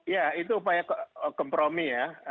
ya itu upaya kompromi ya